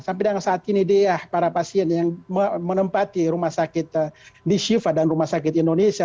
sampai dengan saat ini dia para pasien yang menempati rumah sakit di shiva dan rumah sakit indonesia